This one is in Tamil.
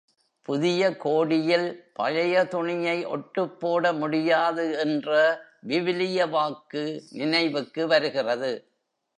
புதிய கோடியில் பழைய துணியை ஒட்டுப் போட முடியாது என்ற விவிலிய வாக்கு நினைவிற்கு வருகிறது.